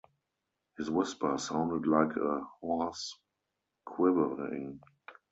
His whisper sounded like a hoarse quivering.